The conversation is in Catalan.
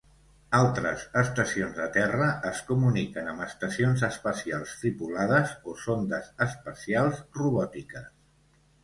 Altres estacions de terra es comuniquen amb estacions espacials tripulades o sondes espacials robòtiques.